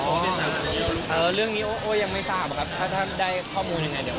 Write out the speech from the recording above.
ถึงจะมีโอกาสได้รับอะไรอย่างนี้